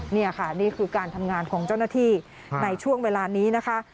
นี่ค่ะนี่คือการทำงานของเจ้าหน้าที่ในช่วงเวลานี้นะคะ